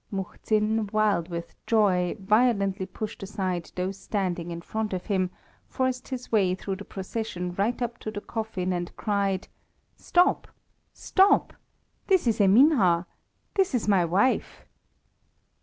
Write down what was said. Muhzin, wild with joy, violently pushed aside those standing in front of him, forced his way through the procession right up to the coffin, and cried "Stop! Stop! This is Eminha. This is my wife!"